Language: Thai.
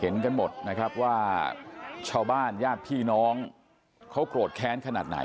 กันหมดนะครับว่าชาวบ้านญาติพี่น้องเขาโกรธแค้นขนาดไหน